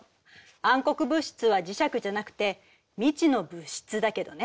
暗黒物質は磁石じゃなくて未知の物質だけどね。